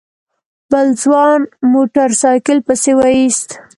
بل ځوان موټر سايکل پسې ويست.